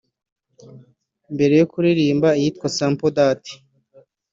Mbere yo kuririmba iyitwa ‘Sample Dat’